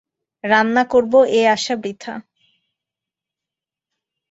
রান্না করব এ আশা বৃথা।